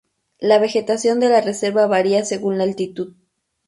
La vegetación de la reserva varía según la altitud.